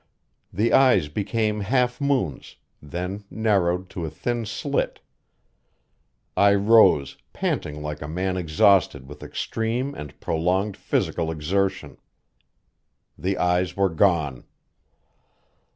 The eyes became half moons, then narrowed to a thin slit. I rose, panting like a man exhausted with extreme and prolonged physical exertion. The eyes were gone.